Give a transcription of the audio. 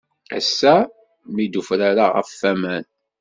Ass-a mi d-ufrareɣ ɣef waman.